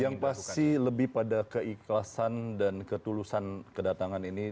yang pasti lebih pada keikhlasan dan ketulusan kedatangan ini